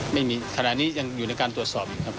ไม่มีขณะนี้ยังอยู่ในการตรวจสอบ